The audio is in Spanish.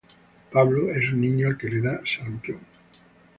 Pablo es un niño al que le da sarampión.